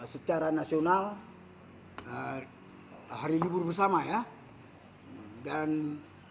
untuk memudahkan pelayanan kantor imigrasi jakarta utara beberapa waktu lalu juga telah membuka pelayanan pembuatan paspor secara online